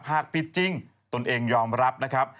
หากผิดจริงตนเองยอมรับนะครับ